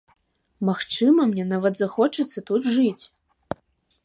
Магчыма, мне нават захочацца тут жыць.